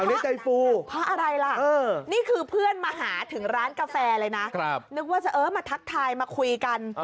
เออพออะไรล่ะนี่คือเพื่อนมาหาถึงร้านกาแฟเลยนะนึกว่าจะมาทักทายมาคุยกัน